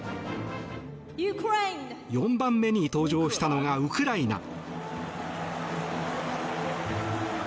４番目に登場したのがウクライナ。